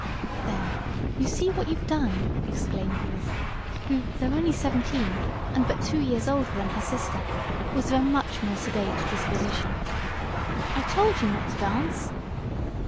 "There, you see what you've done!" exclaimed Ruth, who, though only seventeen, and but two years older than her sister, was of a much more sedate disposition. "I told you not to dance!"